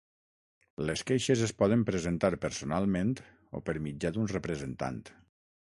Les queixes es poden presentar personalment o per mitjà d'un representant.